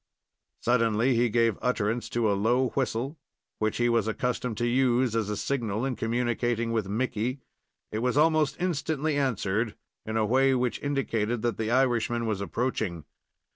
Suddenly he gave utterance to a low whistle, which he was accustomed to use as a signal in communicating with Mickey. It was almost instantly answered, in a way which indicated that the Irishman was approaching.